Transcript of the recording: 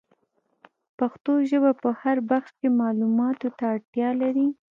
پښتو ژبه په هر بخش کي معلوماتو ته اړتیا لري.